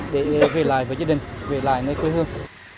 để về lại với gia đình về lại nơi quê hương